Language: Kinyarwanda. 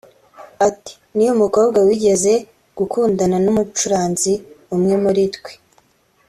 Ati « Ni umukobwa wigeze gukundana n’umucuranzi umwe muri twebwe